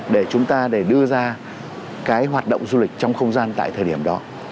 để chúng ta để đưa ra cái hoạt động du lịch trong không gian tại thời điểm đó